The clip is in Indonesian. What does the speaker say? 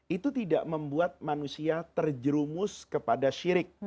itu tidak membuat manusia terjerumus kepada syirik